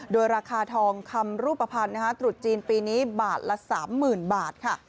โดยราคาทองคำรูปภัณฑ์ตรุษจีนปีนี้บาทละ๓๐๐๐บาทค่ะ